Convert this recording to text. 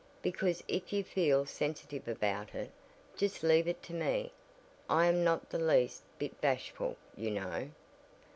Because if you feel sensitive about it, just leave it to me. I am not the least bit bashful, you know."